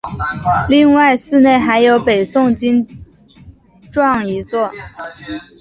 另外寺内还有北宋经幢一座。